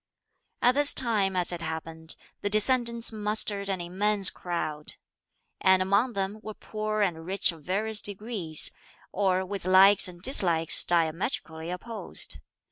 At this time, as it happened, the descendants mustered an immense crowd, and among them were poor and rich of various degrees, or with likes and dislikes diametrically opposed.